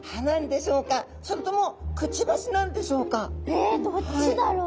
えっどっちだろう？